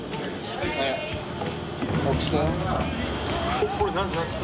これ何ですか？